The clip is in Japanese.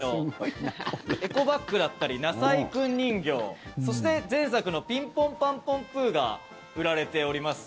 特設コーナーでしてこちら、のんびりなかいのエコバッグだったりなさいくん人形そして、前作の「ピンポンパンポンプー」が売られております。